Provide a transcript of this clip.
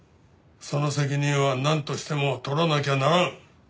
その責任はなんとしても取らなきゃならん。